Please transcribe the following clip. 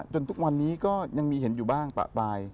ทุกวันนี้ก็ยังมีเห็นอยู่บ้างประปราย